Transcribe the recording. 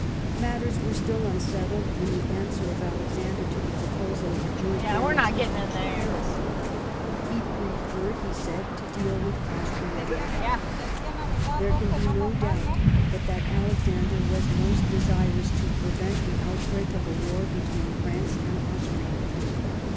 Matters were still unsettled when the answer of Alexander to the proposal of a joint guarantee reached Paris. He preferred, he said, to deal with Austria direct. There can be no doubt but that Alexander was most desirous to prevent the outbreak of a war between France and Austria.